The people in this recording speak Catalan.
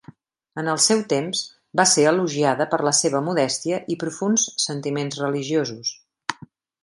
En el seu temps, va ser elogiada per la seva modèstia i profunds sentiments religiosos.